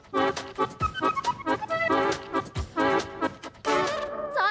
เจ้าแจ๊กริมเจ้า